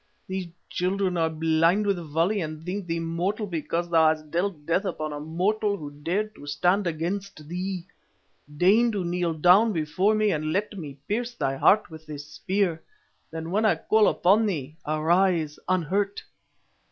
These children are blind with folly, and think thee mortal because thou hast dealt death upon a mortal who dared to stand against thee. Deign to kneel down before me and let me pierce thy heart with this spear, then when I call upon thee, arise unhurt."